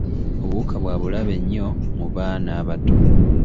Obuwuka bwa bulabe nnyo mu baana abato.